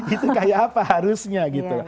itu kayak apa harusnya gitu